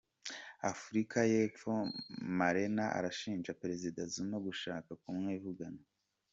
Afurika y’Epfo: Malema arashinja Perezida Zuma gushaka kumwivugana